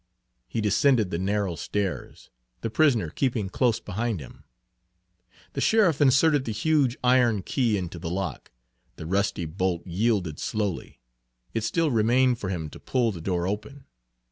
He descended the narrow stairs, the prisoner keeping close behind him. The sheriff inserted the huge iron key into the lock. The rusty bolt yielded slowly. It still remained for him to pull the door open.